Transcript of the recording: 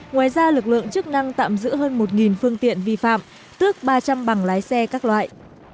ngoài ra lực lượng chức năng tạm giữ hơn một phương tiện vi phạm tước ba trăm linh bằng lái xe các loại